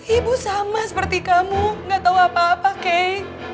ibu sama seperti kamu gak tahu apa apa kay